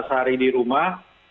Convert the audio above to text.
empat belas hari di rumah